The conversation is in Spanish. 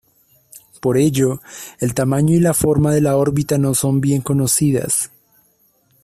Por ello, el tamaño y la forma de la órbita no son bien conocidas.